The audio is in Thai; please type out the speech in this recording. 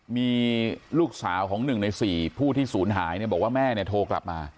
มีลูกสาวของหนึ่งในสี่ผู้ที่ศูนย์หายเนี่ยบอกว่าแม่เนี่ยโทรกลับมา